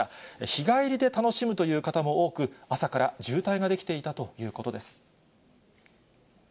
日帰りで楽しむという方も多く、朝から渋滞が出来ていたということです。